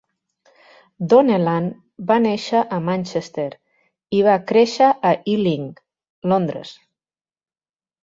Donnellan va néixer a Manchester i va créixer a Ealing, Londres.